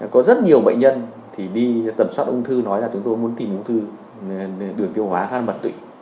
có rất nhiều bệnh nhân đi tầm soát ung thư nói là chúng tôi muốn tìm ung thư đường tiêu hóa khá là mật tụy